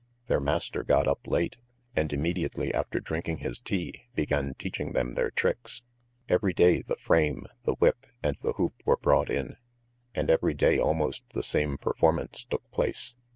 Their master got up late, and immediately after drinking his tea began teaching them their tricks. Every day the frame, the whip, and the hoop were brought in, and every day almost the same performance took place.